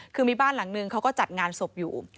คือมีบ้านหลังนึงเขาก็จัดงานศพอยู่